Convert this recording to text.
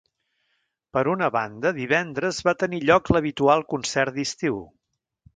Per una banda, divendres va tenir lloc l’habitual Concert d’estiu.